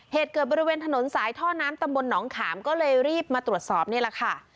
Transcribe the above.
เหตุเกิดบริเวณถนนสายท่อน้ำตำบลหนองขามก็เลยรีบมาตรวจสอบนี่แหละค่ะ